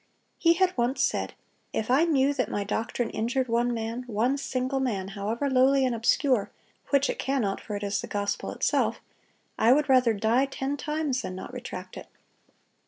He had once said, "If I knew that my doctrine injured one man, one single man, however lowly and obscure,—which it cannot, for it is the gospel itself,—I would rather die ten times than not retract it."